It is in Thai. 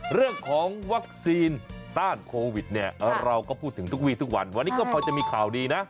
เรื่องของวัคซีนต้านโควิดเนี่ยเราก็พูดถึงทุกวีทุกวันวันนี้ก็พอจะมีข่าวดีนะ